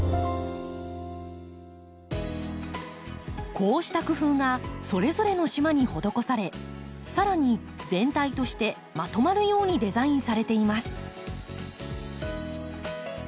こうした工夫がそれぞれの島に施されさらに全体としてまとまるようにデザインされています。